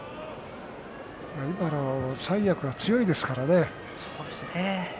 今の三役は強いですからね。